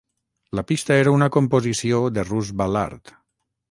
La pista era una composició de Russ Ballard.